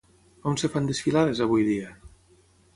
On es fan desfilades, avui dia?